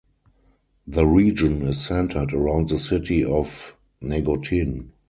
The region is centered around the city of Negotin.